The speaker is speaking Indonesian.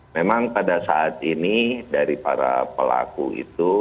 memang pada saat ini dari para pelaku itu